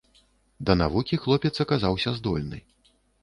Да навукі хлопец аказаўся здольны.